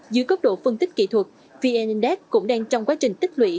dưới cốc độ phân tích kỹ thuật vn index cũng đang trong quá trình tích lũy